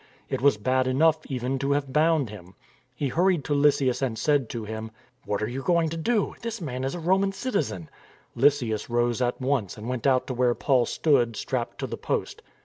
It was bad enough even to have bound him. He hurried to Lysias and said to him: " What are you going to do ? This man is a Roman citizen." Lysias rose at once and went out to where Paul stood strapped to the post.